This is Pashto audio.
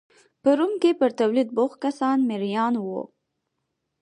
په روم کې پر تولید بوخت کسان مریان وو